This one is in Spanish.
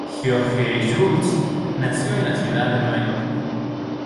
George Shultz nació en la ciudad de Nueva York.